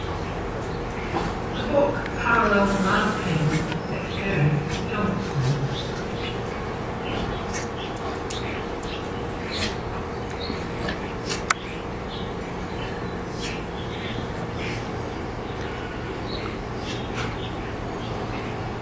The book parallels Maupin's experience with Johnson.